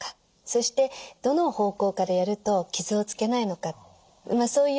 そしてどの方向からやると傷をつけないのかそういった手順。